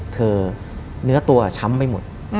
เนื้อตัวช้ำไปหมด